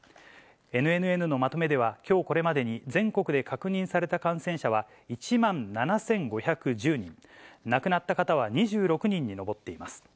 ＮＮＮのまとめでは、きょうこれまでに全国で確認された感染者は、１万７５１０人、亡くなった方は２６人に上っています。